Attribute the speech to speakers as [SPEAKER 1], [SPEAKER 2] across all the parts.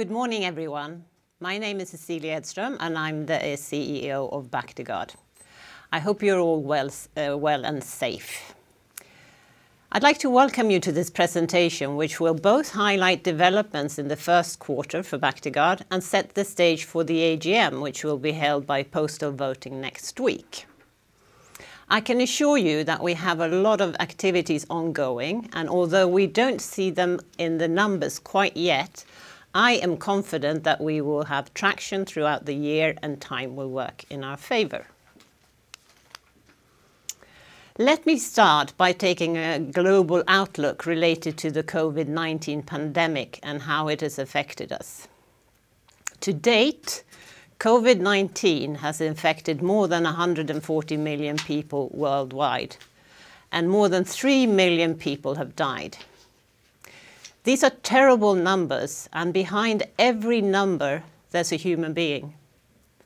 [SPEAKER 1] Good morning, everyone. My name is Cecilia Edström, and I'm the CEO of Bactiguard. I hope you're all well and safe. I'd like to welcome you to this presentation, which will both highlight developments in the first quarter for Bactiguard and set the stage for the AGM, which will be held by postal voting next week. I can assure you that we have a lot of activities ongoing, and although we don't see them in the numbers quite yet, I am confident that we will have traction throughout the year, and time will work in our favor. Let me start by taking a global outlook related to the COVID-19 pandemic and how it has affected us. To date, COVID-19 has infected more than 140 million people worldwide, and more than 3 million people have died. These are terrible numbers, and behind every number, there's a human being,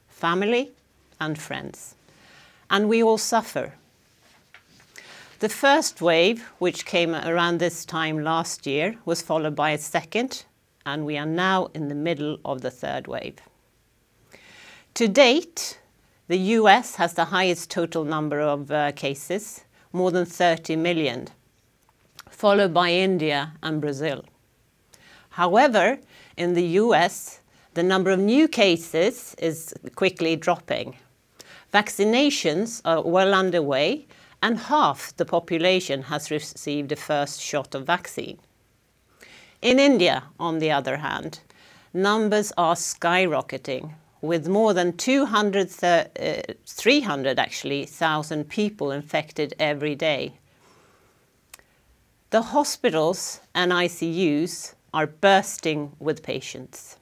[SPEAKER 1] family, and friends, and we all suffer. The first wave, which came around this time last year, was followed by a second, and we are now in the middle of the third wave. To date, the U.S. has the highest total number of cases, more than 30 million, followed by India and Brazil. However, in the U.S., the number of new cases is quickly dropping. Vaccinations are well underway, and half the population has received a first shot of vaccine. In India, on the other hand, numbers are skyrocketing, with more than 300,000 people infected every day. The hospitals and ICUs are bursting with patients.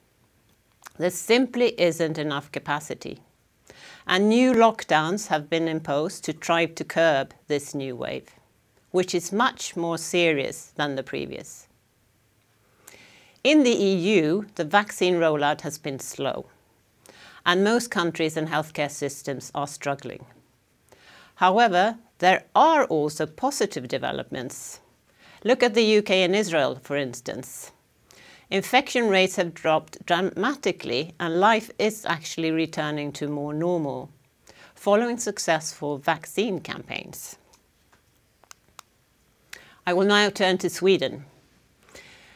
[SPEAKER 1] There simply isn't enough capacity, and new lockdowns have been imposed to try to curb this new wave, which is much more serious than the previous. In the EU, the vaccine rollout has been slow, and most countries and healthcare systems are struggling. However, there are also positive developments. Look at the U.K. and Israel, for instance. Infection rates have dropped dramatically, and life is actually returning to more normal following successful vaccine campaigns. I will now turn to Sweden.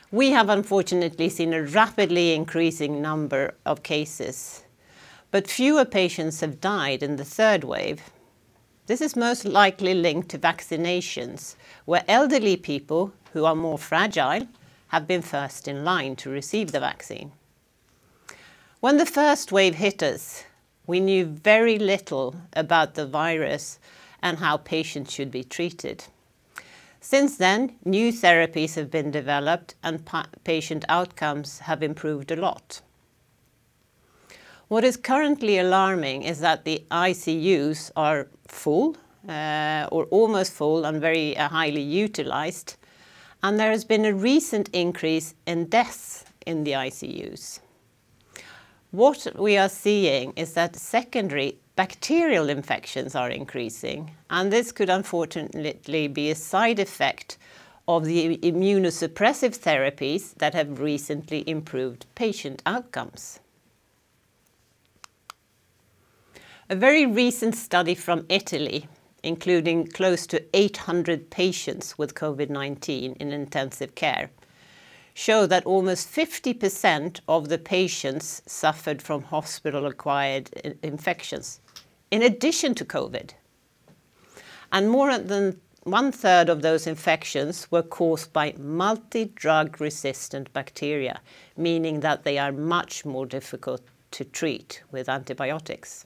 [SPEAKER 1] We have unfortunately seen a rapidly increasing number of cases, but fewer patients have died in the third wave. This is most likely linked to vaccinations, where elderly people who are more fragile have been first in line to receive the vaccine. When the first wave hit us, we knew very little about the virus and how patients should be treated. Since then, new therapies have been developed, and patient outcomes have improved a lot. What is currently alarming is that the ICUs are full or almost full and very highly utilized. There has been a recent increase in deaths in the ICUs. What we are seeing is that secondary bacterial infections are increasing. This could unfortunately be a side effect of the immunosuppressive therapies that have recently improved patient outcomes. A very recent study from Italy, including close to 800 patients with COVID-19 in intensive care, show that almost 50% of the patients suffered from hospital-acquired infections in addition to COVID. More than one-third of those infections were caused by multi-drug-resistant bacteria, meaning that they are much more difficult to treat with antibiotics.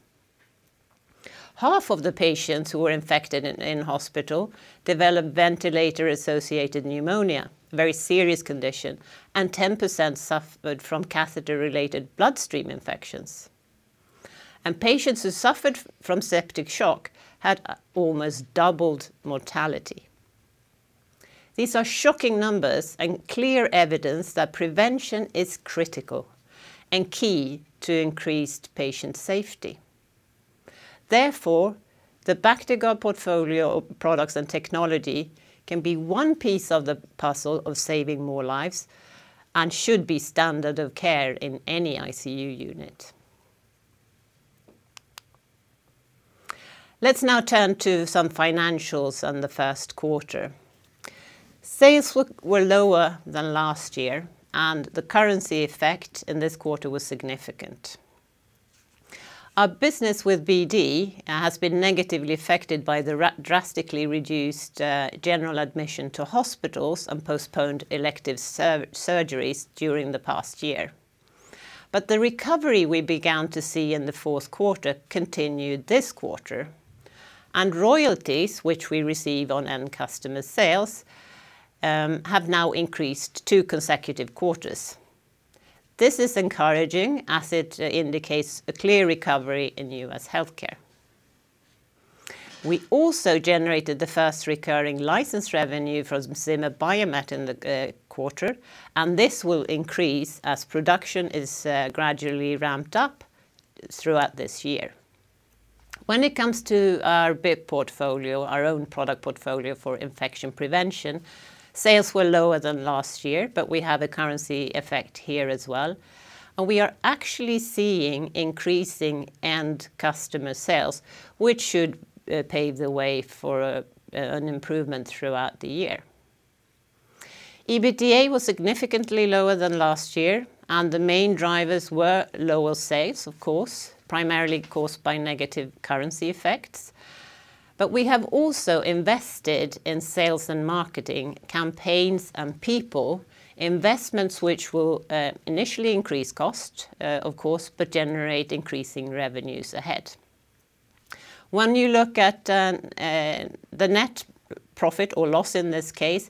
[SPEAKER 1] Half of the patients who were infected in hospital developed ventilator-associated pneumonia, a very serious condition. 10% suffered from catheter-related bloodstream infections. Patients who suffered from septic shock had almost doubled mortality. These are shocking numbers and clear evidence that prevention is critical and key to increased patient safety. Therefore, the Bactiguard portfolio of products and technology can be one piece of the puzzle of saving more lives and should be standard of care in any ICU unit. Let's now turn to some financials on the first quarter. Sales were lower than last year, and the currency effect in this quarter was significant. Our business with BD has been negatively affected by the drastically reduced general admission to hospitals and postponed elective surgeries during the past year. The recovery we began to see in the fourth quarter continued this quarter, and royalties, which we receive on end customer sales, have now increased two consecutive quarters. This is encouraging as it indicates a clear recovery in U.S. healthcare. We also generated the first recurring license revenue from Zimmer Biomet in the quarter. This will increase as production is gradually ramped up throughout this year. When it comes to our BIP portfolio, our own product portfolio for infection prevention, sales were lower than last year. We have a currency effect here as well. We are actually seeing increasing end customer sales, which should pave the way for an improvement throughout the year. EBITDA was significantly lower than last year. The main drivers were lower sales, of course, primarily caused by negative currency effects. We have also invested in sales and marketing campaigns and people, investments which will initially increase cost, of course, but generate increasing revenues ahead. When you look at the net profit, or loss in this case,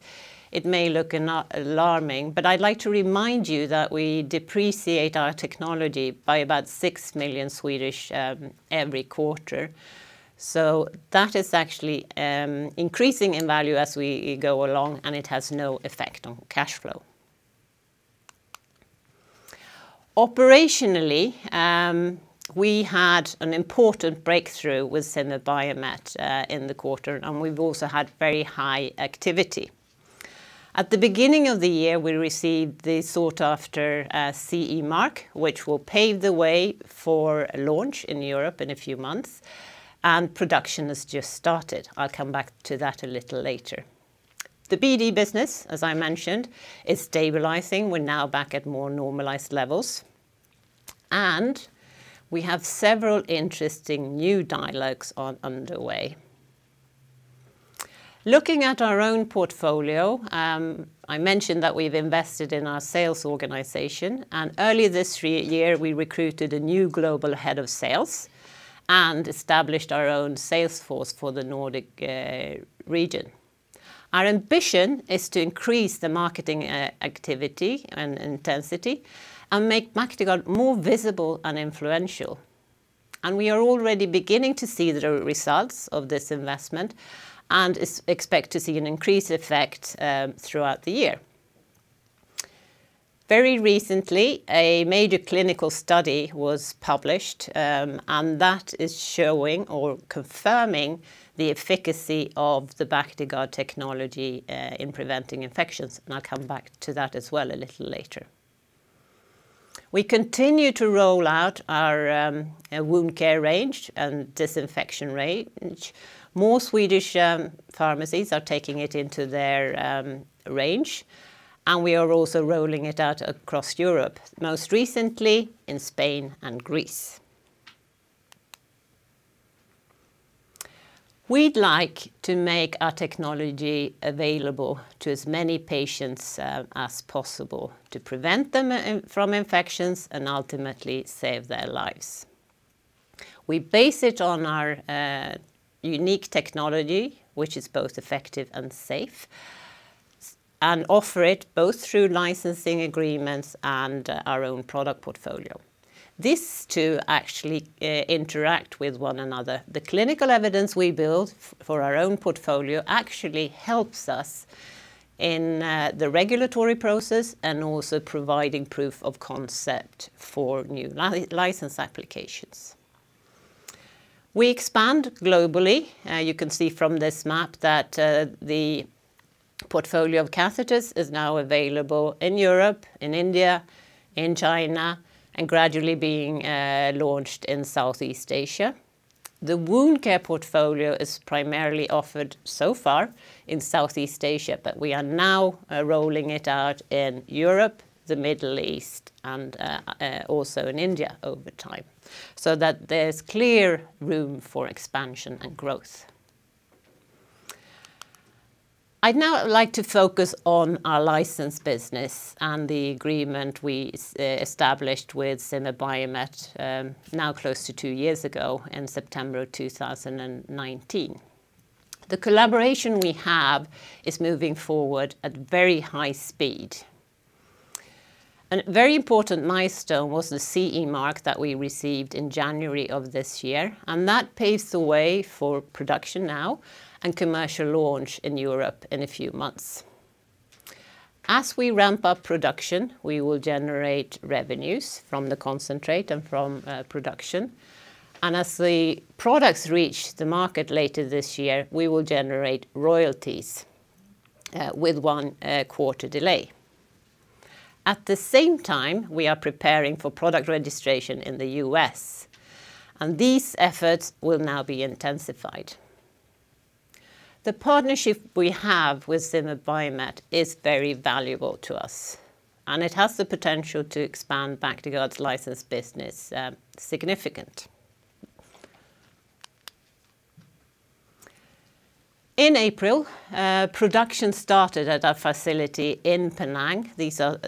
[SPEAKER 1] it may look alarming, I'd like to remind you that we depreciate our technology by about 6 million every quarter. That is actually increasing in value as we go along, and it has no effect on cash flow. Operationally, we had an important breakthrough with Zimmer Biomet in the quarter. We've also had very high activity. At the beginning of the year, we received the sought-after CE mark, which will pave the way for launch in Europe in a few months. Production has just started. I'll come back to that a little later. The BD business, as I mentioned, is stabilizing. We're now back at more normalized levels. We have several interesting new dialogues underway. Looking at our own portfolio, I mentioned that we've invested in our sales organization. Early this year, we recruited a new global head of sales and established our own sales force for the Nordic region. Our ambition is to increase the marketing activity and intensity and make Bactiguard more visible and influential. We are already beginning to see the results of this investment and expect to see an increased effect throughout the year. Very recently, a major clinical study was published. That is showing or confirming the efficacy of the Bactiguard technology in preventing infections. I'll come back to that as well a little later. We continue to roll out our wound care range and disinfection range. More Swedish pharmacies are taking it into their range. We are also rolling it out across Europe, most recently in Spain and Greece. We'd like to make our technology available to as many patients as possible to prevent them from infections and ultimately save their lives. We base it on our unique technology, which is both effective and safe, and offer it both through licensing agreements and our own product portfolio. These two actually interact with one another. The clinical evidence we build for our own portfolio actually helps us in the regulatory process and also providing proof of concept for new license applications. We expand globally. You can see from this map that the portfolio of catheters is now available in Europe, in India, in China, and gradually being launched in Southeast Asia. The wound care portfolio is primarily offered so far in Southeast Asia, but we are now rolling it out in Europe, the Middle East, and also in India over time, so that there's clear room for expansion and growth. I'd now like to focus on our license business and the agreement we established with Zimmer Biomet now close to two years ago, in September of 2019. The collaboration we have is moving forward at very high speed. A very important milestone was the CE mark that we received in January of this year, and that paves the way for production now and commercial launch in Europe in a few months. As we ramp up production, we will generate revenues from the concentrate and from production. As the products reach the market later this year, we will generate royalties with one quarter delay. At the same time, we are preparing for product registration in the U.S., and these efforts will now be intensified. The partnership we have with Zimmer Biomet is very valuable to us, and it has the potential to expand Bactiguard's license business significant. In April, production started at our facility in Penang. These are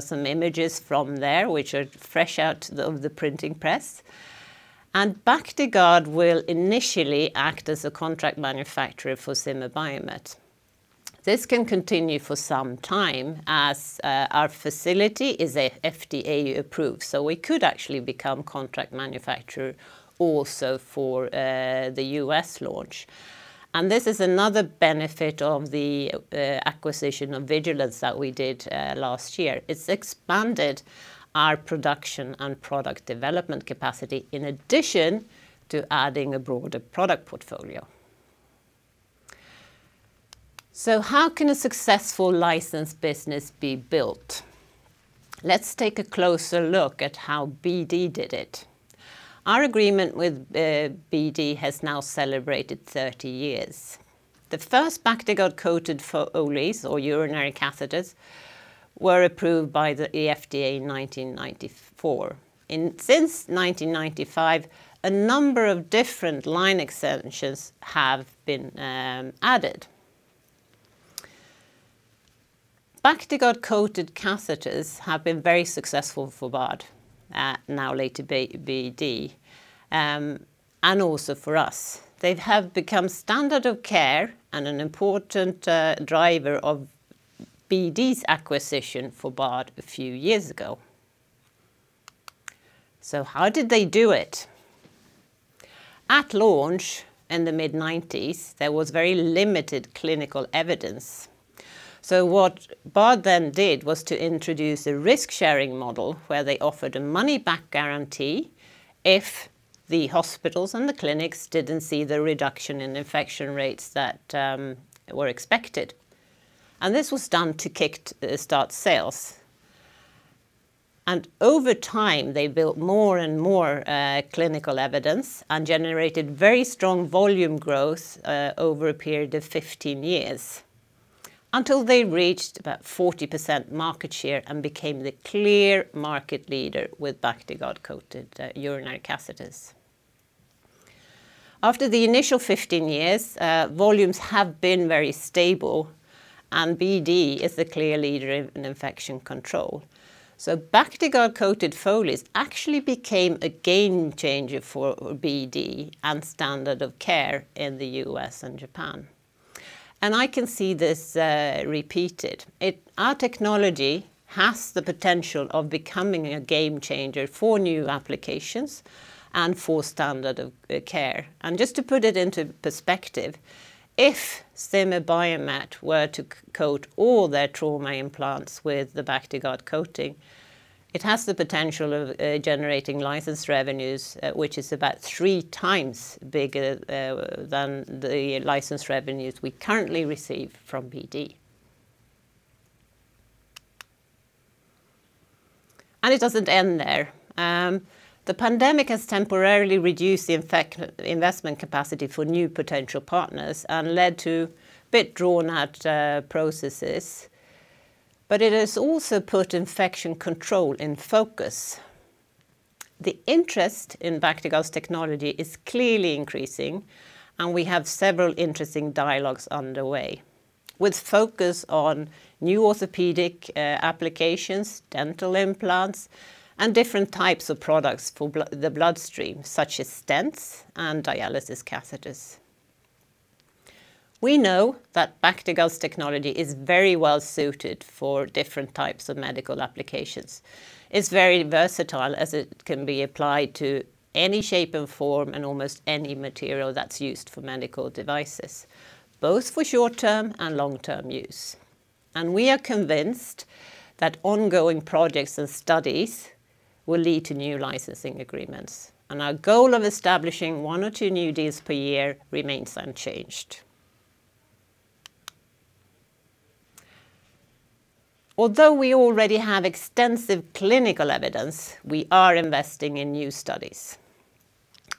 [SPEAKER 1] some images from there, which are fresh out of the printing press. Bactiguard will initially act as a contract manufacturer for Zimmer Biomet. This can continue for some time, as our facility is FDA-approved, so we could actually become contract manufacturer also for the U.S. launch. This is another benefit of the acquisition of Vigilenz that we did last year. It's expanded our production and product development capacity in addition to adding a broader product portfolio. How can a successful license business be built? Let's take a closer look at how BD did it. Our agreement with BD has now celebrated 30 years. The first Bactiguard-coated Foleys or urinary catheters were approved by the FDA in 1994. Since 1995, a number of different line extensions have been added. Bactiguard-coated catheters have been very successful for Bard, now later BD, and also for us. They have become standard of care and an important driver of BD's acquisition for Bard a few years ago. How did they do it? At launch, in the mid-1990s, there was very limited clinical evidence. What Bard then did was to introduce a risk-sharing model where they offered a money-back guarantee if the hospitals and the clinics didn't see the reduction in infection rates that were expected. This was done to kick-start sales. Over time, they built more and more clinical evidence and generated very strong volume growth over a period of 15 years, until they reached about 40% market share and became the clear market leader with Bactiguard-coated urinary catheters. After the initial 15 years, volumes have been very stable, and BD is the clear leader in infection control. Bactiguard-coated Foleys actually became a game changer for BD and standard of care in the U.S. and Japan. I can see this repeated. Our technology has the potential of becoming a game changer for new applications and for standard of care. Just to put it into perspective, if Zimmer Biomet were to coat all their trauma implants with the Bactiguard coating, it has the potential of generating license revenues, which is about three times bigger than the license revenues we currently receive from BD. It doesn't end there. The pandemic has temporarily reduced the investment capacity for new potential partners and led to a bit drawn out processes. It has also put infection control in focus. The interest in Bactiguard's technology is clearly increasing, and we have several interesting dialogues underway with focus on new orthopedic applications, dental implants, and different types of products for the bloodstream, such as stents and dialysis catheters. We know that Bactiguard's technology is very well-suited for different types of medical applications. It's very versatile as it can be applied to any shape and form and almost any material that's used for medical devices, both for short-term and long-term use. We are convinced that ongoing projects and studies will lead to new licensing agreements. Our goal of establishing one or two new deals per year remains unchanged. Although we already have extensive clinical evidence, we are investing in new studies.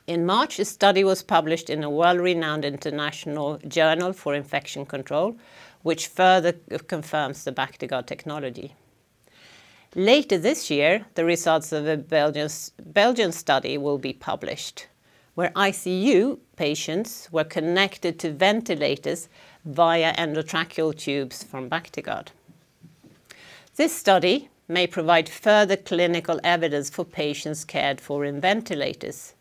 [SPEAKER 1] In March, a study was published in a world-renowned international journal for infection control, which further confirms the Bactiguard technology. Later this year, the results of a Belgian study will be published where ICU patients were connected to ventilators via endotracheal tubes from Bactiguard. This study may provide further clinical evidence for patients cared for in ventilators.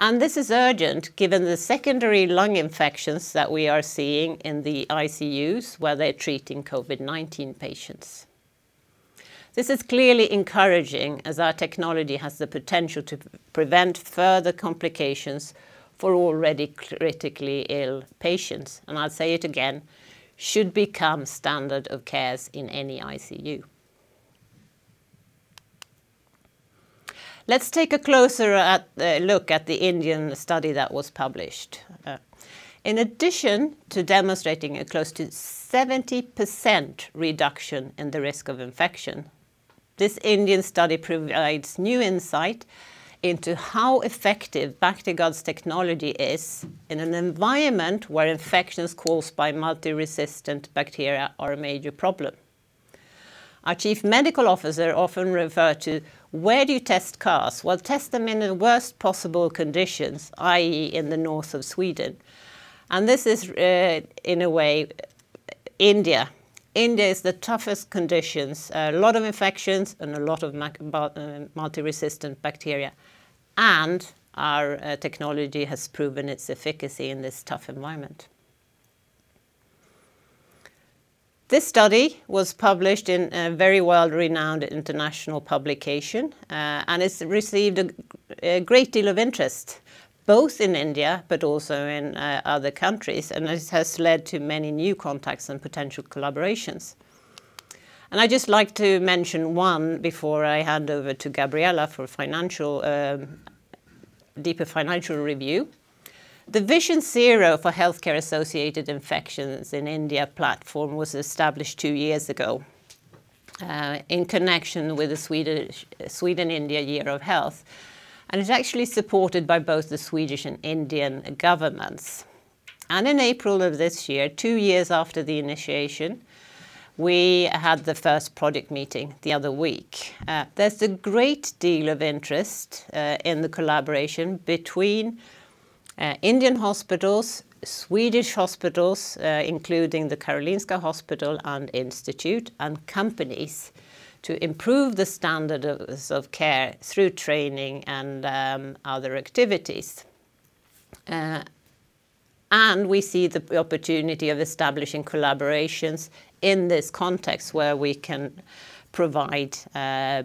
[SPEAKER 1] This is urgent given the secondary lung infections that we are seeing in the ICUs where they're treating COVID-19 patients. This is clearly encouraging as our technology has the potential to prevent further complications for already critically ill patients, and I'll say it again, should become standard of care in any ICU. Let's take a closer look at the Indian study that was published. In addition to demonstrating a close to 70% reduction in the risk of infection, this Indian study provides new insight into how effective Bactiguard's technology is in an environment where infections caused by multi-resistant bacteria are a major problem. Our Chief Medical Officer often refer to, where do you test cars? Well, test them in the worst possible conditions, i.e., in the north of Sweden. This is, in a way, India. India is the toughest conditions. A lot of infections and a lot of multi-resistant bacteria. Our technology has proven its efficacy in this tough environment. This study was published in a very world-renowned international publication, and it's received a great deal of interest, both in India but also in other countries, and this has led to many new contacts and potential collaborations. I'd just like to mention one before I hand over to Gabriella for deeper financial review. The Vision Zero for Healthcare-Associated Infections in India platform was established two years ago in connection with the Sweden-India Year of Health, and it's actually supported by both the Swedish and Indian governments. In April of this year, two years after the initiation, we had the first product meeting the other week. There's a great deal of interest in the collaboration between Indian hospitals, Swedish hospitals, including the Karolinska Hospital and Institute, and companies to improve the standards of care through training and other activities. We see the opportunity of establishing collaborations in this context where we can provide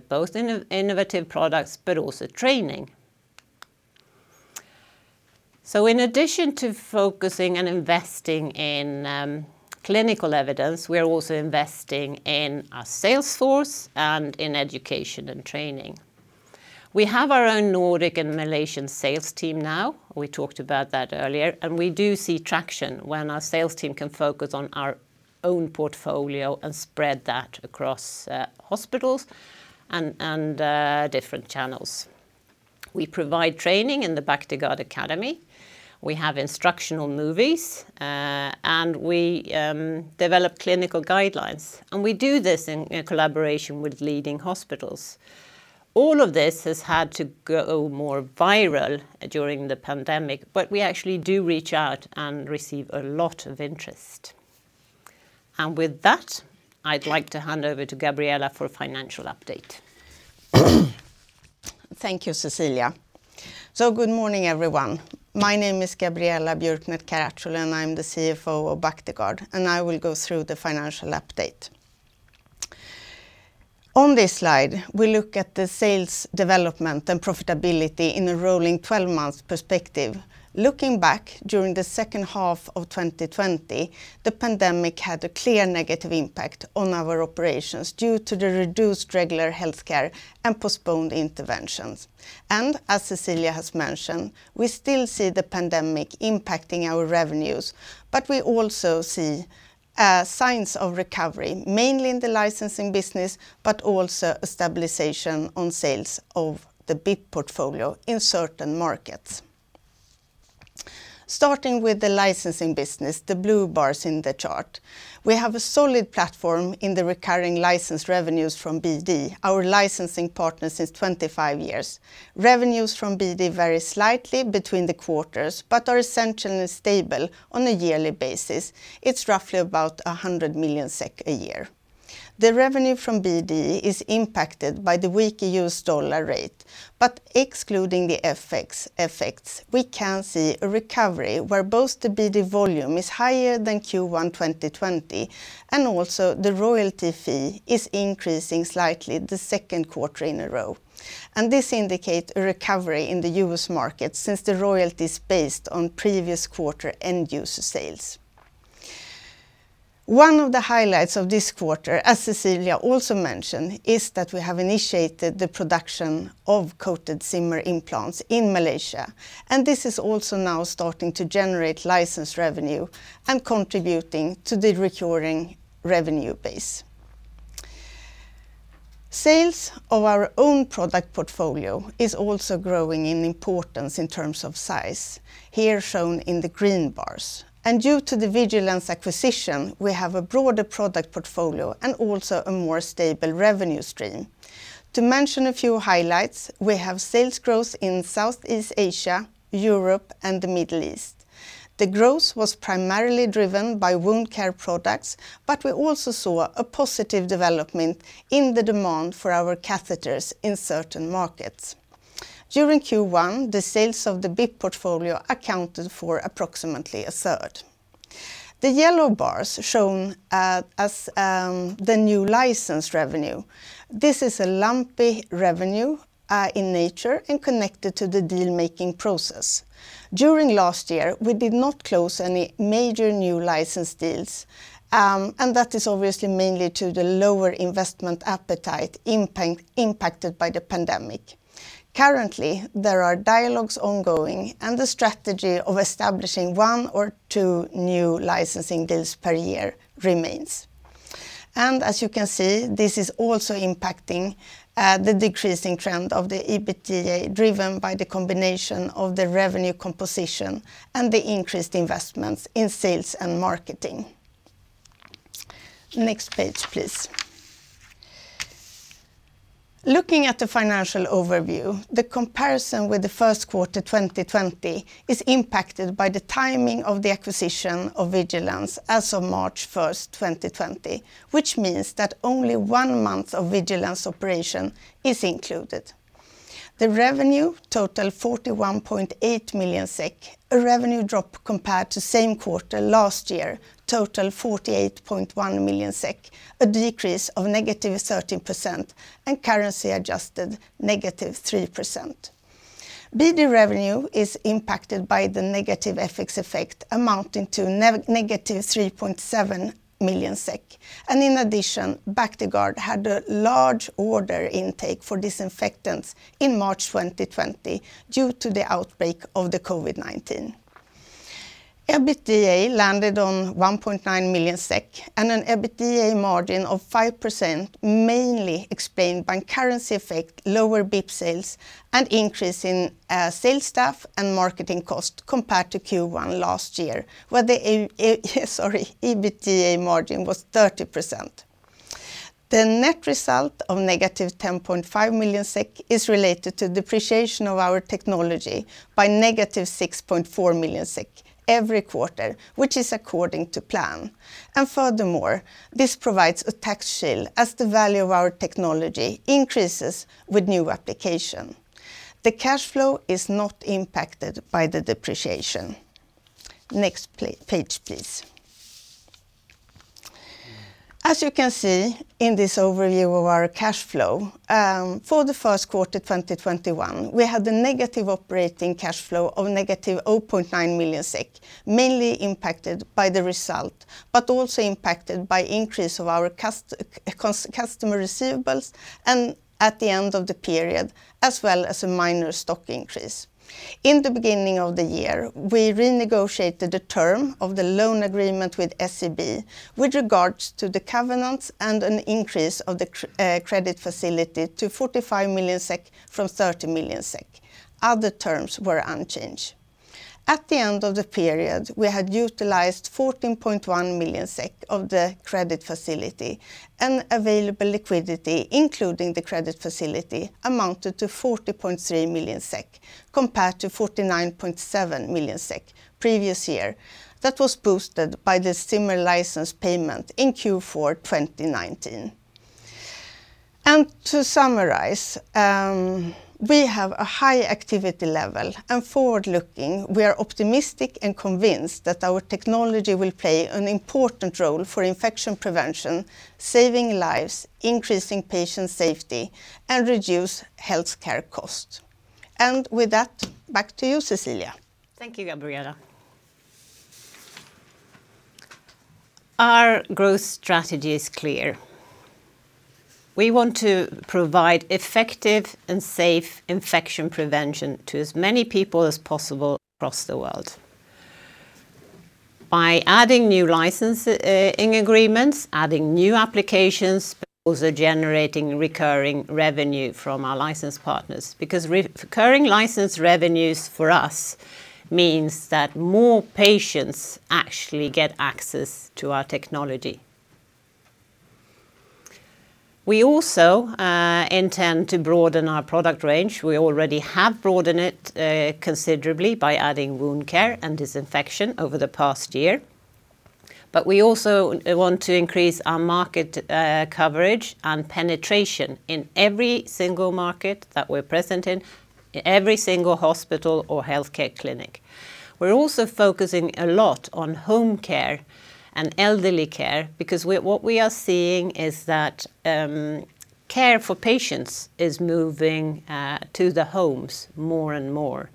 [SPEAKER 1] both innovative products, but also training. In addition to focusing and investing in clinical evidence, we are also investing in our sales force and in education and training. We have our own Nordic and Malaysian sales team now. We talked about that earlier, and we do see traction when our sales team can focus on our own portfolio and spread that across hospitals and different channels. We provide training in the Bactiguard Academy. We have instructional movies, and we develop clinical guidelines, and we do this in collaboration with leading hospitals. All of this has had to go more viral during the pandemic, but we actually do reach out and receive a lot of interest. With that, I'd like to hand over to Gabriella for a financial update.
[SPEAKER 2] Thank you, Cecilia. Good morning, everyone. My name is Gabriella Björknert Caracciolo, and I am the CFO of Bactiguard, and I will go through the financial update. On this slide, we look at the sales development and profitability in a rolling 12 months perspective. Looking back during the second half of 2020, the pandemic had a clear negative impact on our operations due to the reduced regular healthcare and postponed interventions. As Cecilia has mentioned, we still see the pandemic impacting our revenues, but we also see signs of recovery, mainly in the licensing business, but also a stabilization on sales of the BIP portfolio in certain markets. Starting with the licensing business, the blue bars in the chart. We have a solid platform in the recurring license revenues from BD, our licensing partner since 25 years. Revenues from BD vary slightly between the quarters but are essentially stable on a yearly basis. It's roughly about 100 million SEK a year. The revenue from BD is impacted by the weak U.S. dollar rate, but excluding the FX effects, we can see a recovery where both the BD volume is higher than Q1 2020, and also the royalty fee is increasing slightly the second quarter in a row. This indicates a recovery in the U.S. market since the royalty is based on previous quarter end user sales. One of the highlights of this quarter, as Cecilia also mentioned, is that we have initiated the production of coated Zimmer implants in Malaysia. This is also now starting to generate license revenue and contributing to the recurring revenue base. Sales of our own product portfolio is also growing in importance in terms of size, here shown in the green bars. Due to the Vigilenz acquisition, we have a broader product portfolio and also a more stable revenue stream. To mention a few highlights, we have sales growth in Southeast Asia, Europe, and the Middle East. The growth was primarily driven by wound care products, but we also saw a positive development in the demand for our catheters in certain markets. During Q1, the sales of the BIP portfolio accounted for approximately a third. The yellow bars shown as the new license revenue. This is a lumpy revenue in nature and connected to the deal-making process. During last year, we did not close any major new license deals, and that is obviously mainly to the lower investment appetite impacted by the pandemic. Currently, there are dialogues ongoing. The strategy of establishing one or two new licensing deals per year remains. As you can see, this is also impacting the decreasing trend of the EBITDA, driven by the combination of the revenue composition and the increased investments in sales and marketing. Next page, please. Looking at the financial overview, the comparison with the first quarter 2020 is impacted by the timing of the acquisition of Vigilenz as of March 1st, 2020, which means that only one month of Vigilenz operation is included. The revenue total 41.8 million SEK, a revenue drop compared to same quarter last year, total 48.1 million SEK, a decrease of -13%, and currency adjusted -3%. BD revenue is impacted by the negative FX effect amounting to -3.7 million SEK. In addition, Bactiguard had a large order intake for disinfectants in March 2020 due to the outbreak of the COVID-19. EBITDA landed on 1.9 million SEK and an EBITDA margin of 5%, mainly explained by currency effect, lower BIP sales, and increase in sales staff and marketing cost compared to Q1 last year, where the EBITDA margin was 30%. The net result of -10.5 million SEK is related to depreciation of our technology by -6.4 million SEK every quarter, which is according to plan. Furthermore, this provides a tax shield as the value of our technology increases with new application. The cash flow is not impacted by the depreciation. Next page, please. As you can see in this overview of our cash flow, for the first quarter 2021, we had a negative operating cash flow of -0.9 million SEK, mainly impacted by the result, but also impacted by increase of our customer receivables and at the end of the period, as well as a minor stock increase. In the beginning of the year, we renegotiated the term of the loan agreement with SEB with regards to the covenants and an increase of the credit facility to 45 million SEK from 30 million SEK. Other terms were unchanged. At the end of the period, we had utilized 14.1 million SEK of the credit facility and available liquidity, including the credit facility, amounted to 40.3 million SEK compared to 49.7 million SEK previous year. That was boosted by the Zimmer license payment in Q4 2019. To summarize, we have a high activity level, and forward-looking, we are optimistic and convinced that our technology will play an important role for infection prevention, saving lives, increasing patient safety, and reduce healthcare costs. With that, back to you, Cecilia.
[SPEAKER 1] Thank you, Gabriella. Our growth strategy is clear. We want to provide effective and safe infection prevention to as many people as possible across the world. By adding new licensing agreements, adding new applications, but also generating recurring revenue from our license partners, because recurring license revenues for us means that more patients actually get access to our technology. We also intend to broaden our product range. We already have broadened it considerably by adding wound care and disinfection over the past year. We also want to increase our market coverage and penetration in every single market that we're present in, every single hospital or healthcare clinic. We're also focusing a lot on home care and elderly care because what we are seeing is that care for patients is moving to the homes more and more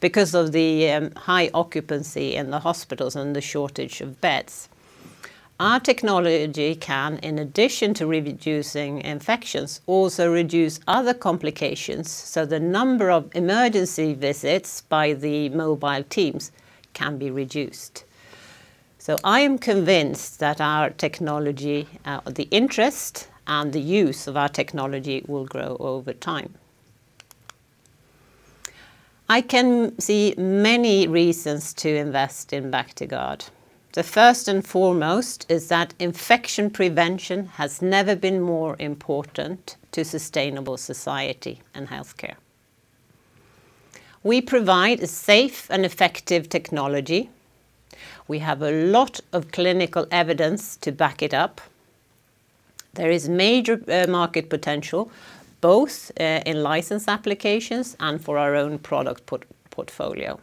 [SPEAKER 1] because of the high occupancy in the hospitals and the shortage of beds. Our technology can, in addition to reducing infections, also reduce other complications, so the number of emergency visits by the mobile teams can be reduced. I am convinced that the interest and the use of our technology will grow over time. I can see many reasons to invest in Bactiguard. The first and foremost is that infection prevention has never been more important to sustainable society and healthcare. We provide a safe and effective technology. We have a lot of clinical evidence to back it up. There is major market potential, both in license applications and for our own product portfolio.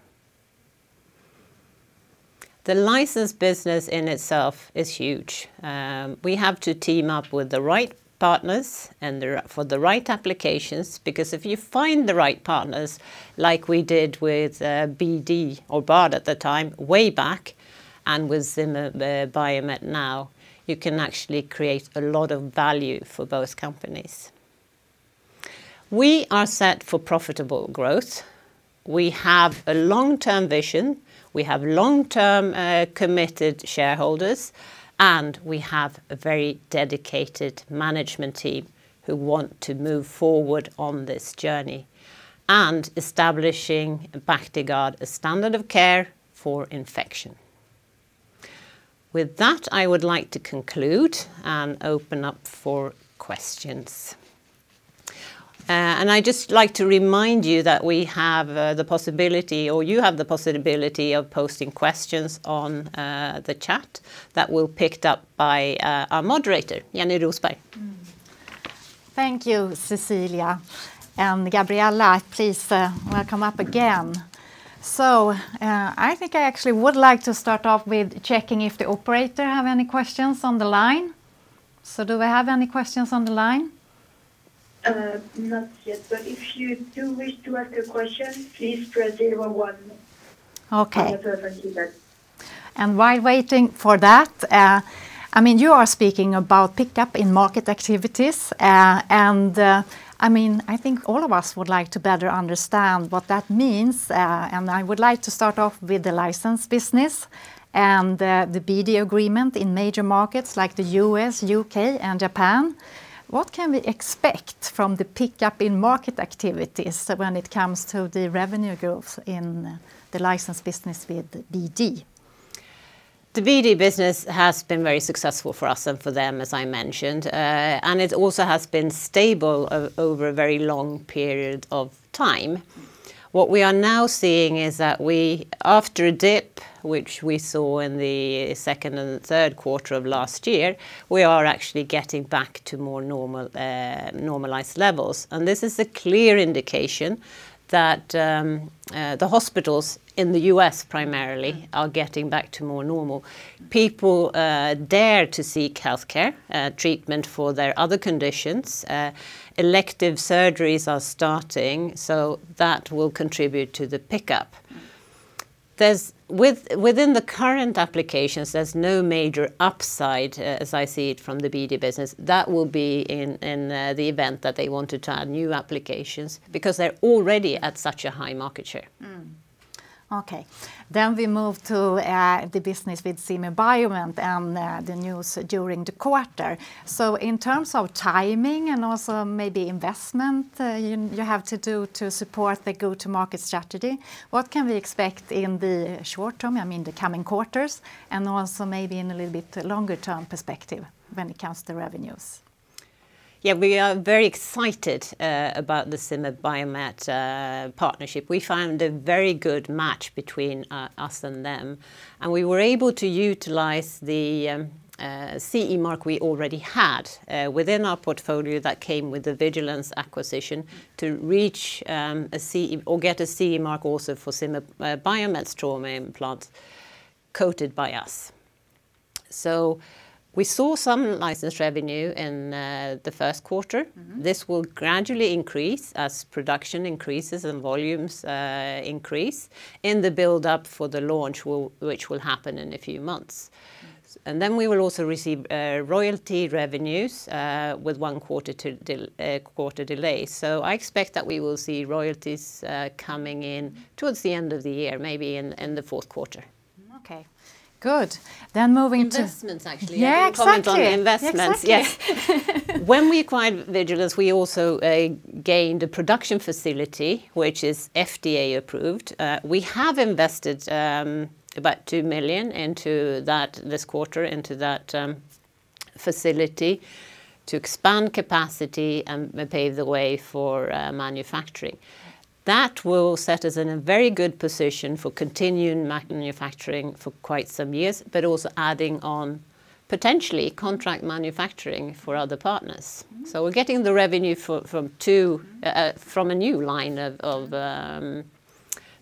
[SPEAKER 1] The license business in itself is huge. We have to team up with the right partners and for the right applications, because if you find the right partners, like we did with BD, or Bard at the time, way back, and with Zimmer Biomet now, you can actually create a lot of value for both companies. We are set for profitable growth. We have a long-term vision. We have long-term committed shareholders, and we have a very dedicated management team who want to move forward on this journey and establishing Bactiguard a standard of care for infection. With that, I would like to conclude and open up for questions. I'd just like to remind you that we have the possibility, or you have the possibility of posting questions on the chat that will be picked up by our moderator, Jenny Rosberg.
[SPEAKER 3] Thank you, Cecilia. Gabriella, please come up again. I think I actually would like to start off with checking if the operator have any questions on the line. Do we have any questions on the line?
[SPEAKER 4] Not yet, but if you do wish to ask a question, please press zero one.
[SPEAKER 3] Okay. While waiting for that, you are speaking about pickup in market activities. I think all of us would like to better understand what that means. I would like to start off with the license business and the BD agreement in major markets like the U.S., U.K., and Japan. What can we expect from the pickup in market activities when it comes to the revenue growth in the license business with BD?
[SPEAKER 1] The BD business has been very successful for us and for them, as I mentioned. It also has been stable over a very long period of time. What we are now seeing is that after a dip, which we saw in the second and third quarter of last year, we are actually getting back to more normalized levels. This is a clear indication that the hospitals in the U.S. primarily are getting back to more normal. People dare to seek healthcare treatment for their other conditions. Elective surgeries are starting, so that will contribute to the pickup. Within the current applications, there's no major upside, as I see it, from the BD business. That will be in the event that they want to add new applications, because they're already at such a high market share.
[SPEAKER 3] Okay. We move to the business with Zimmer Biomet and the news during the quarter. In terms of timing and also maybe investment you have to do to support the go-to-market strategy, what can we expect in the short term, the coming quarters, and also maybe in a little bit longer term perspective when it comes to revenues?
[SPEAKER 1] Yeah, we are very excited about the Zimmer Biomet partnership. We found a very good match between us and them. We were able to utilize the CE mark we already had within our portfolio that came with the Vigilenz acquisition to get a CE mark also for Zimmer Biomet's trauma implant coated by us. We saw some license revenue in the first quarter. This will gradually increase as production increases and volumes increase in the buildup for the launch, which will happen in a few months. We will also receive royalty revenues with one quarter delay. I expect that we will see royalties coming in towards the end of the year, maybe in the fourth quarter.
[SPEAKER 3] Okay. Good.
[SPEAKER 1] Investments, actually.
[SPEAKER 3] Yeah, exactly.
[SPEAKER 1] A comment on the investments.
[SPEAKER 3] Exactly.
[SPEAKER 1] Yes. When we acquired Vigilenz, we also gained a production facility, which is FDA approved. We have invested about 2 million into that this quarter, into that facility to expand capacity and pave the way for manufacturing. That will set us in a very good position for continuing manufacturing for quite some years, but also adding on potentially contract manufacturing for other partners. We're getting the revenue from a new line of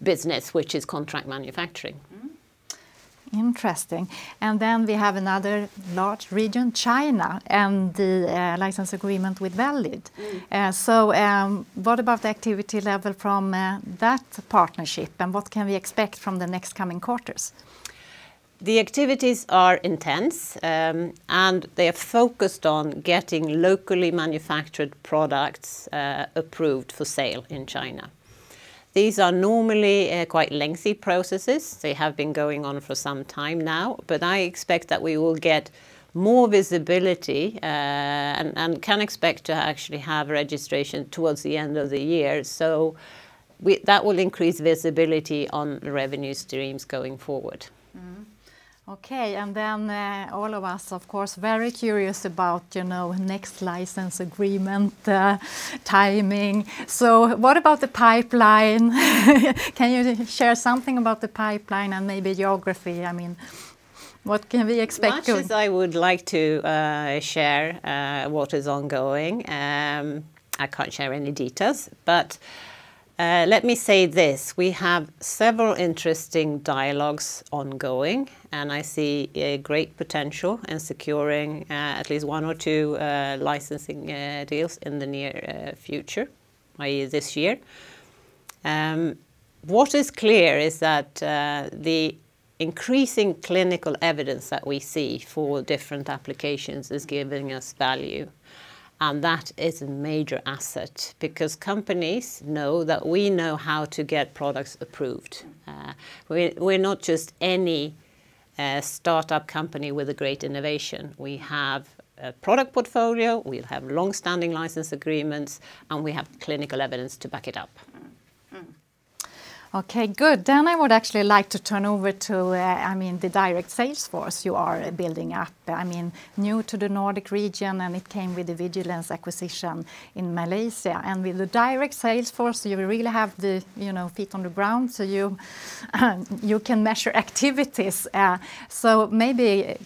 [SPEAKER 1] business, which is contract manufacturing.
[SPEAKER 3] Interesting. We have another large region, China, and the license agreement with Well Lead. What about the activity level from that partnership, and what can we expect from the next coming quarters?
[SPEAKER 1] The activities are intense, and they're focused on getting locally manufactured products approved for sale in China. These are normally quite lengthy processes. They have been going on for some time now, but I expect that we will get more visibility, and can expect to actually have registration towards the end of the year. That will increase visibility on revenue streams going forward.
[SPEAKER 3] Okay, all of us, of course, very curious about next license agreement timing. What about the pipeline? Can you share something about the pipeline and maybe geography? What can we expect?
[SPEAKER 1] Much as I would like to share what is ongoing, I can't share any details. Let me say this, we have several interesting dialogues ongoing, and I see a great potential in securing at least one or two licensing deals in the near future, i.e., this year. What is clear is that the increasing clinical evidence that we see for different applications is giving us value, and that is a major asset because companies know that we know how to get products approved. We're not just any startup company with a great innovation. We have a product portfolio, we have longstanding license agreements, and we have clinical evidence to back it up.
[SPEAKER 3] Okay, good. I would actually like to turn over to the direct sales force you are building up. New to the Nordic region, it came with the Vigilenz acquisition in Malaysia. With the direct sales force, you really have the feet on the ground, so you can measure activities. Maybe,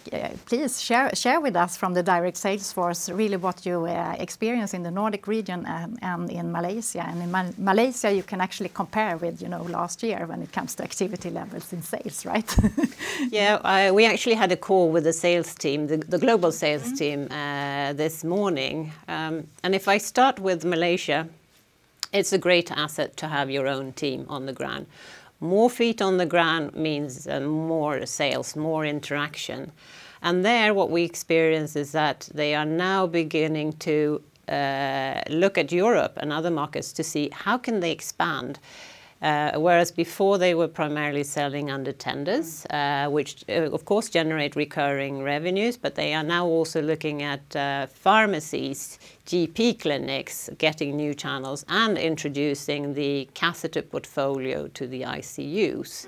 [SPEAKER 3] please share with us from the direct sales force really what you experience in the Nordic region and in Malaysia. In Malaysia, you can actually compare with last year when it comes to activity levels in sales, right?
[SPEAKER 1] Yeah. We actually had a call with the global sales team this morning. If I start with Malaysia, it's a great asset to have your own team on the ground. More feet on the ground means more sales, more interaction. There, what we experience is that they are now beginning to look at Europe and other markets to see how can they expand. Whereas before they were primarily selling under tenders, which of course generate recurring revenues, but they are now also looking at pharmacies, GP clinics, getting new channels, and introducing the catheter portfolio to the ICUs.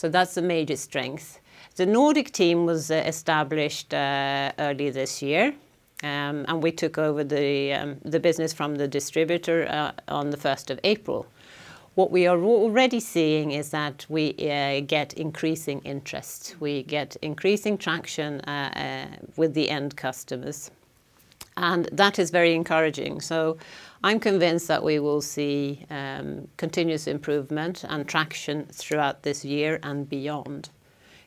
[SPEAKER 1] That's a major strength. The Nordic team was established early this year, and we took over the business from the distributor on the 1st of April. What we are already seeing is that we get increasing interest. We get increasing traction with the end customers, and that is very encouraging. I'm convinced that we will see continuous improvement and traction throughout this year and beyond.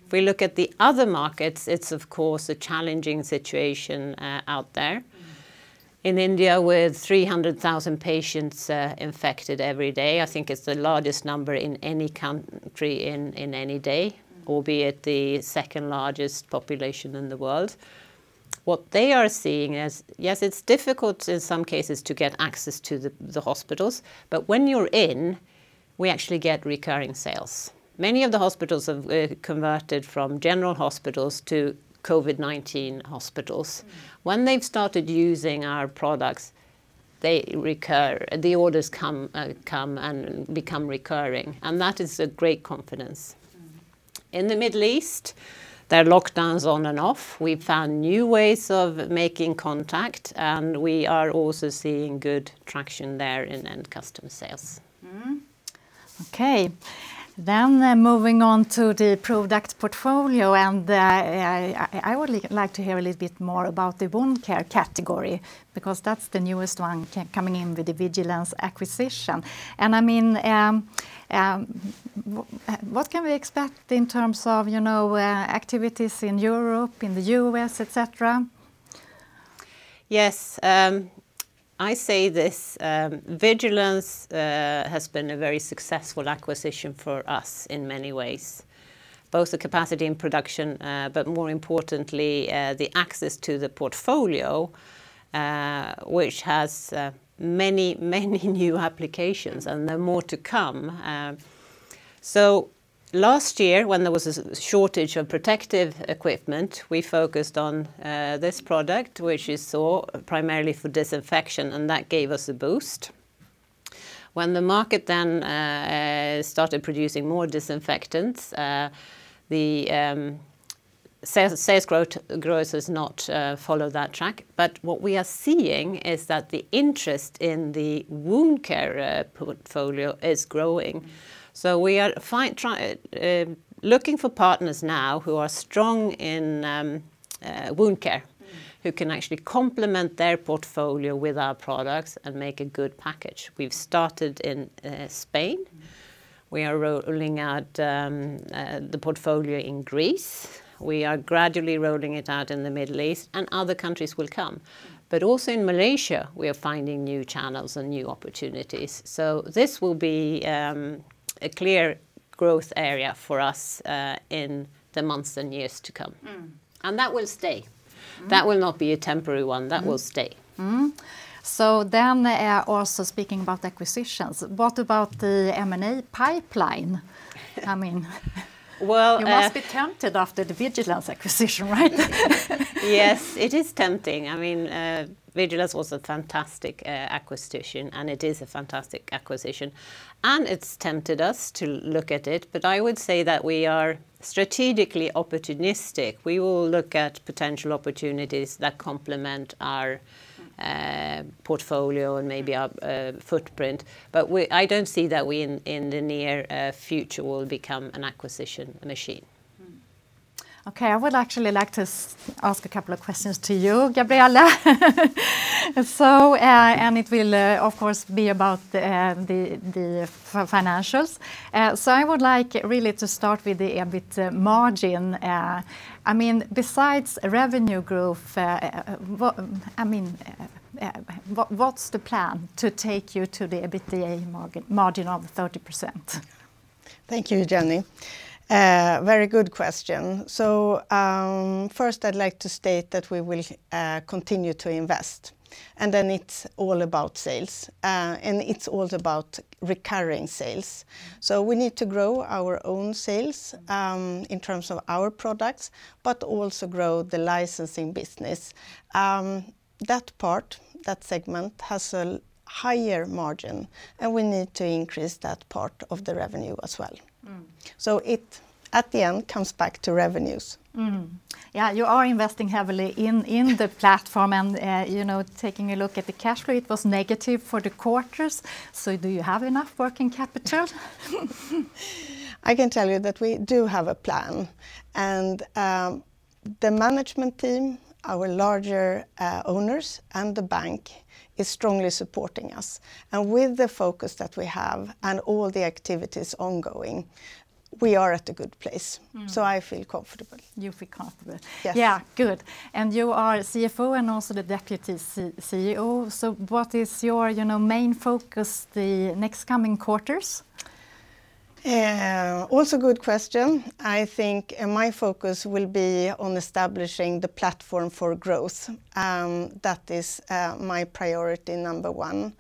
[SPEAKER 1] If we look at the other markets, it's of course a challenging situation out there. In India, with 300,000 patients infected every day, I think it's the largest number in any country in any day, albeit the second-largest population in the world. What they are seeing is, yes, it's difficult in some cases to get access to the hospitals, but when you're in, we actually get recurring sales. Many of the hospitals have converted from general hospitals to COVID-19 hospitals. When they've started using our products, they recur. The orders come and become recurring, and that is a great confidence. In the Middle East, their lockdown's on and off. We've found new ways of making contact, and we are also seeing good traction there in end customer sales.
[SPEAKER 3] Okay. Moving on to the product portfolio, I would like to hear a little bit more about the wound care category, because that's the newest one coming in with the Vigilenz acquisition. What can we expect in terms of activities in Europe, in the U.S., etc.?
[SPEAKER 1] Yes. I say this, Vigilenz has been a very successful acquisition for us in many ways, both the capacity and production, but more importantly, the access to the portfolio, which has many new applications, and there are more to come. Last year, when there was a shortage of protective equipment, we focused on this product, which you saw, primarily for disinfection, and that gave us a boost. When the market then started producing more disinfectants, the sales growth does not follow that track. What we are seeing is that the interest in the wound care portfolio is growing. We are looking for partners now who are strong in wound care, who can actually complement their portfolio with our products and make a good package. We've started in Spain. We are rolling out the portfolio in Greece. We are gradually rolling it out in the Middle East, and other countries will come. Also in Malaysia, we are finding new channels and new opportunities. This will be a clear growth area for us in the months and years to come. That will stay. That will not be a temporary one. That will stay.
[SPEAKER 3] Also speaking about acquisitions, what about the M&A pipeline? You must be tempted after the Vigilenz acquisition, right?
[SPEAKER 1] Yes, it is tempting. Vigilenz was a fantastic acquisition, and it is a fantastic acquisition. It's tempted us to look at it, but I would say that we are strategically opportunistic. We will look at potential opportunities that complement our portfolio and maybe our footprint, but I don't see that we, in the near future, will become an acquisition machine.
[SPEAKER 3] Okay. I would actually like to ask a couple of questions to you, Gabriella. It will, of course, be about the financials. I would like really to start with the EBIT margin. Besides revenue growth, what's the plan to take you to the EBITDA margin of 30%?
[SPEAKER 2] Thank you, Jenny. Very good question. First I'd like to state that we will continue to invest, it's all about sales. It's all about recurring sales. We need to grow our own sales in terms of our products, but also grow the licensing business. That part, that segment, has a higher margin, and we need to increase that part of the revenue as well. It, at the end, comes back to revenues.
[SPEAKER 3] You are investing heavily in the platform, and taking a look at the cash rate, it was negative for the quarters. Do you have enough working capital?
[SPEAKER 2] I can tell you that we do have a plan, and the management team, our larger owners, and the bank is strongly supporting us. With the focus that we have and all the activities ongoing, we are at a good place. I feel comfortable.
[SPEAKER 3] You feel comfortable.
[SPEAKER 2] Yes.
[SPEAKER 3] Yeah. Good. You are a CFO and also the Deputy CEO. What is your main focus the next coming quarters?
[SPEAKER 2] Good question. I think my focus will be on establishing the platform for growth. That is my priority number one,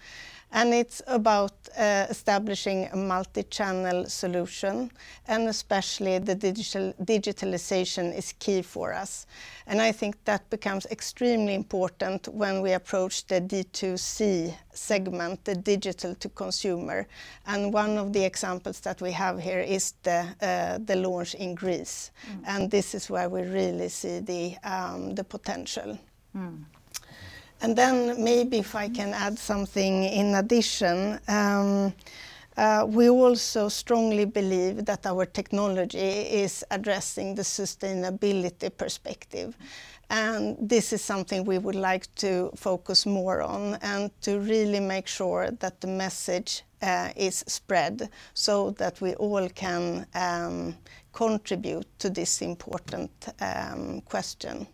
[SPEAKER 2] and it's about establishing a multi-channel solution, and especially the digitalization is key for us. I think that becomes extremely important when we approach the D2C segment, the direct-to-consumer. One of the examples that we have here is the launch in Greece. This is where we really see the potential. Maybe if I can add something in addition. We also strongly believe that our technology is addressing the sustainability perspective, and this is something we would like to focus more on, and to really make sure that the message is spread so that we all can contribute to this important question.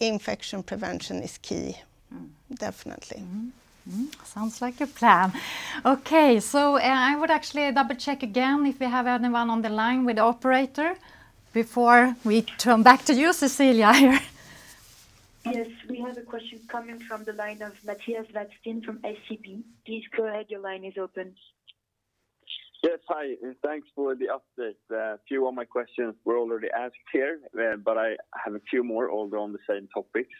[SPEAKER 2] Infection prevention is key. Definitely.
[SPEAKER 3] Sounds like a plan. Okay. I would actually double-check again if we have anyone on the line with the operator before we turn back to you, Cecilia, here.
[SPEAKER 4] Yes. We have a question coming from the line of Mattias Vadsten from SEB. Please go ahead. Your line is open.
[SPEAKER 5] Yes. Hi, thanks for the update. A few of my questions were already asked here, but I have a few more, although on the same topics.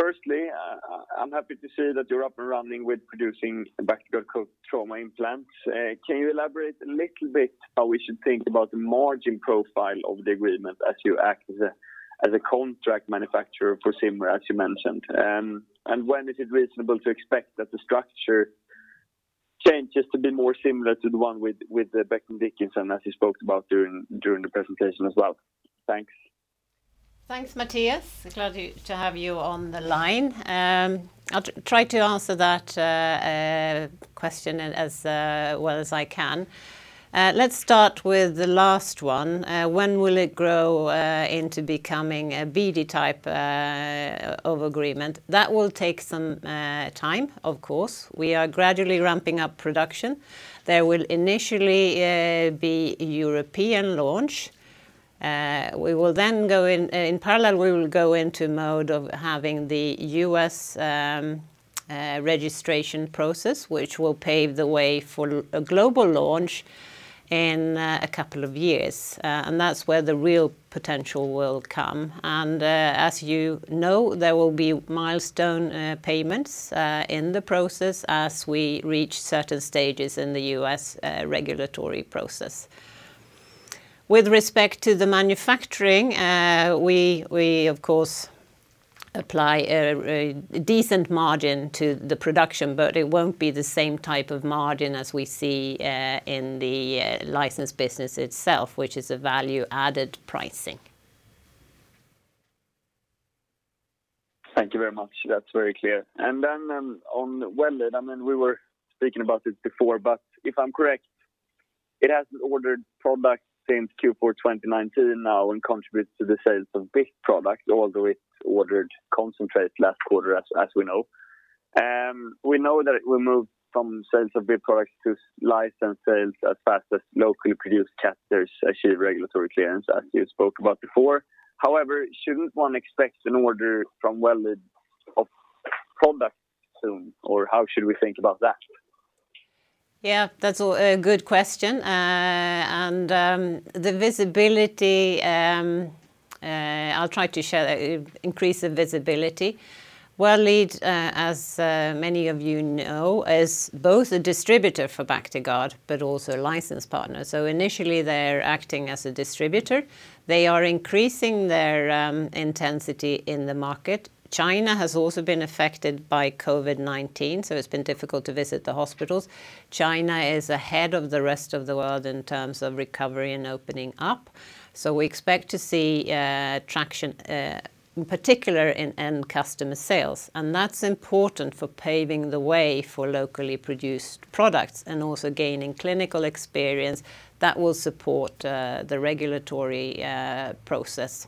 [SPEAKER 5] Firstly, I'm happy to see that you're up and running with producing Bactiguard trauma implants. Can you elaborate a little bit how we should think about the margin profile of the agreement as you act as a contract manufacturer for Zimmer, as you mentioned? When is it reasonable to expect that the structure changes to be more similar to the one with Becton Dickinson as you spoke about during the presentation as well? Thanks.
[SPEAKER 1] Thanks, Mattias. Glad to have you on the line. I'll try to answer that question as well as I can. Let's start with the last one. When will it grow into becoming a BD type of agreement? That will take some time, of course. We are gradually ramping up production. There will initially be European launch. In parallel, we will go into mode of having the U.S. registration process, which will pave the way for a global launch in a couple of years. That's where the real potential will come. As you know, there will be milestone payments in the process as we reach certain stages in the U.S. regulatory process. With respect to the manufacturing, we of course apply a decent margin to the production, but it won't be the same type of margin as we see in the license business itself, which is a value-added pricing.
[SPEAKER 5] Thank you very much. That's very clear. On Well Lead, we were speaking about this before, but if I'm correct, it hasn't ordered products since Q4 2019 now and contributes to the sales of BIP product, although it ordered concentrate last quarter as we know. We know that it will move from sales of BIP products to license sales as fast as locally produced catheters achieve regulatory clearance, as you spoke about before. However, shouldn't one expect an order from Well Lead of product soon, or how should we think about that?
[SPEAKER 1] That's a good question. The visibility, I'll try to increase the visibility. Well Lead, as many of you know, is both a distributor for Bactiguard, but also a license partner. Initially, they're acting as a distributor. They are increasing their intensity in the market. China has also been affected by COVID-19, it's been difficult to visit the hospitals. China is ahead of the rest of the world in terms of recovery and opening up. We expect to see traction, in particular in end customer sales, and that's important for paving the way for locally produced products and also gaining clinical experience that will support the regulatory process.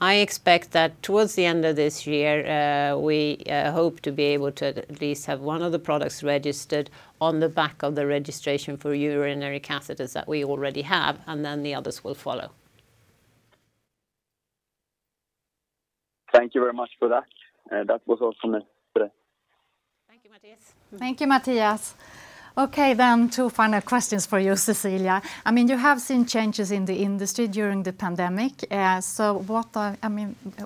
[SPEAKER 1] I expect that towards the end of this year, we hope to be able to at least have one of the products registered on the back of the registration for urinary catheters that we already have, and then the others will follow.
[SPEAKER 5] Thank you very much for that. That was all from me today.
[SPEAKER 4] Thank you, Mattias.
[SPEAKER 3] Thank you, Mattias. Okay, two final questions for you, Cecilia. You have seen changes in the industry during the pandemic.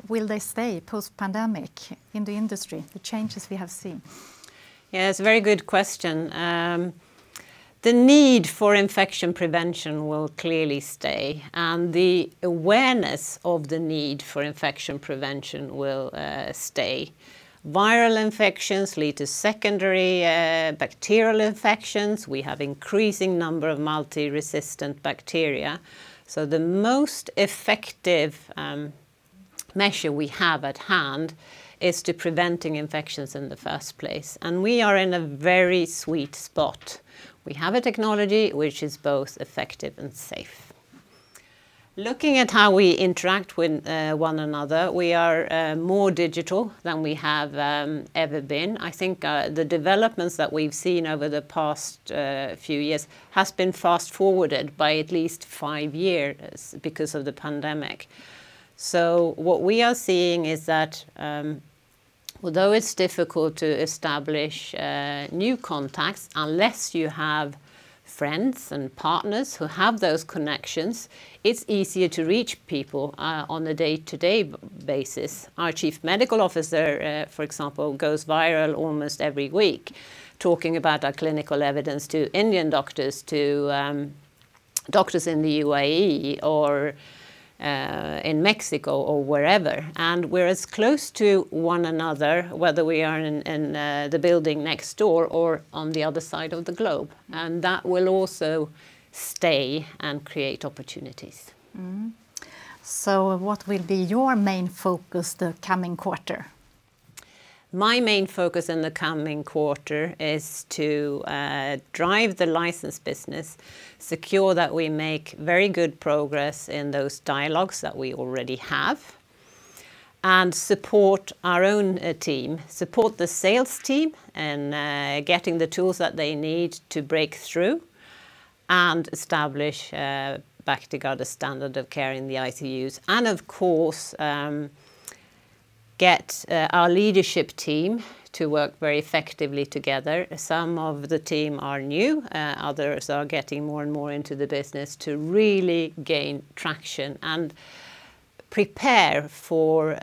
[SPEAKER 3] Will they stay post pandemic in the industry, the changes we have seen?
[SPEAKER 1] Yeah, it's a very good question. The need for infection prevention will clearly stay, and the awareness of the need for infection prevention will stay. Viral infections lead to secondary bacterial infections. We have increasing number of multi-resistant bacteria. The most effective measure we have at hand is to preventing infections in the first place. We are in a very sweet spot. We have a technology which is both effective and safe. Looking at how we interact with one another, we are more digital than we have ever been. I think the developments that we've seen over the past few years has been fast-forwarded by at least five years because of the pandemic. What we are seeing is that although it's difficult to establish new contacts, unless you have friends and partners who have those connections, it's easier to reach people on a day-to-day basis. Our Chief Medical Officer, for example, goes viral almost every week talking about our clinical evidence to Indian doctors, to doctors in the UAE or in Mexico or wherever. We're as close to one another, whether we are in the building next door or on the other side of the globe. That will also stay and create opportunities.
[SPEAKER 3] What will be your main focus the coming quarter?
[SPEAKER 1] My main focus in the coming quarter is to drive the licensed business, secure that we make very good progress in those dialogues that we already have, and support our own team, support the sales team in getting the tools that they need to break through and establish Bactiguard as standard of care in the ICUs. Of course, get our leadership team to work very effectively together. Some of the team are new, others are getting more and more into the business to really gain traction and prepare for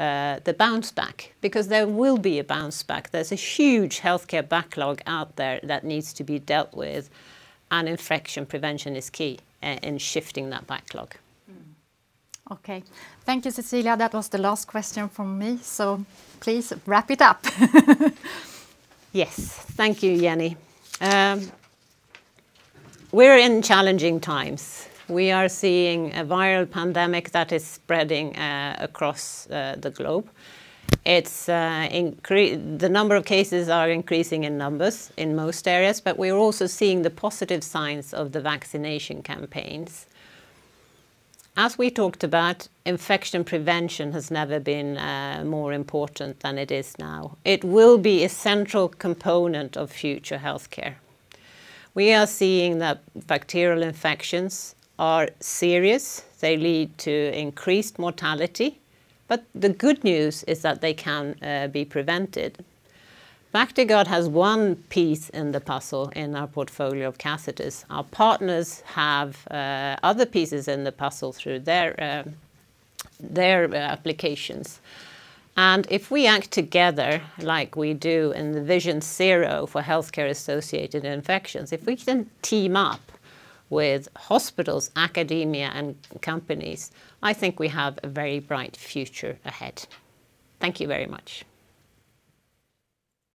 [SPEAKER 1] the bounce back, because there will be a bounce back. There's a huge healthcare backlog out there that needs to be dealt with, and infection prevention is key in shifting that backlog.
[SPEAKER 3] Okay. Thank you, Cecilia. That was the last question from me. Please wrap it up.
[SPEAKER 1] Yes. Thank you, Jenny. We're in challenging times. We are seeing a viral pandemic that is spreading across the globe. The number of cases are increasing in numbers in most areas, but we're also seeing the positive signs of the vaccination campaigns. As we talked about, infection prevention has never been more important than it is now. It will be a central component of future healthcare. We are seeing that bacterial infections are serious. They lead to increased mortality, but the good news is that they can be prevented. Bactiguard has one piece in the puzzle in our portfolio of catheters. Our partners have other pieces in the puzzle through their applications. If we act together like we do in the Vision Zero for Healthcare-Associated Infections, if we can team up with hospitals, academia, and companies, I think we have a very bright future ahead. Thank you very much.